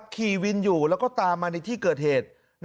ขี่วินอยู่แล้วก็ตามมาในที่เกิดเหตุ